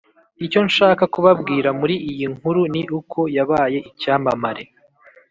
icyo nshaka kubabwira muri iyi nkuru ni uko yabaye icyamamare